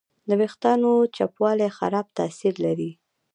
د وېښتیانو چپوالی خراب تاثیر لري.